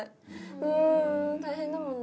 うん大変だもんねぇ。